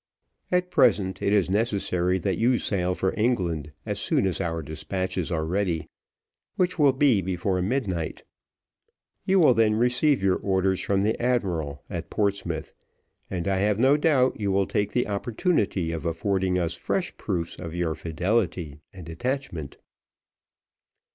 At present, it is necessary that you sail for England as soon as our despatches are ready, which will be before midnight; you will then receive your orders from the admiral, at Portsmouth, and I have no doubt you will take the opportunity of affording us fresh proofs of your fidelity and attachment."